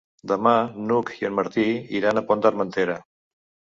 Demà n'Hug i en Martí iran al Pont d'Armentera.